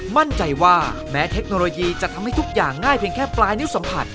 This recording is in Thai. มั่นใจว่าแม้เทคโนโลยีจะทำให้ทุกอย่างง่ายเพียงแค่ปลายนิ้วสัมผัส